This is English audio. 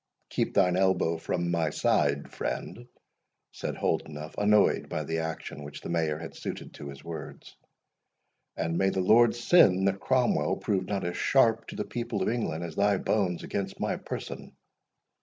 "Keep thine elbow from my side, friend," said Holdenough, annoyed by the action which the Mayor had suited to his words; "and may the Lord send that Cromwell prove not as sharp to the people of England as thy bones against my person!